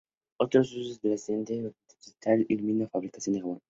Otros usos: El aceite se usa industrialmente en iluminación y fabricación de jabón.